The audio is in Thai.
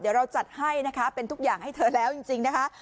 เดี๋ยวเราจัดให้นะคะเป็นทุกอย่างให้เธอแล้วจริงนะคะ